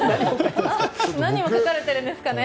何を描かれてるんですかね。